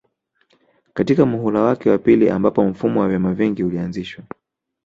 katika muhula wake wa pili ambapo mfumo wa vyama vingi ulianzishwa